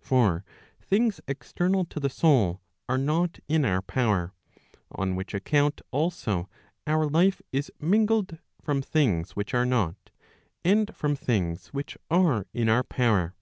For things external to the soul are not in our power; on which account also our life is mingled from things which are not, and from things which are in our power.